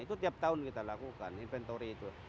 itu tiap tahun kita lakukan inventory itu